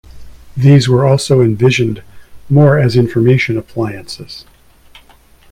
These were also envisioned more as information appliances.